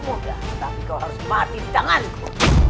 kamu masih muda tapi kau harus mati di tanganku